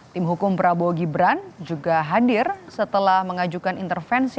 tim hukum prabowo gibran juga hadir setelah mengajukan intervensi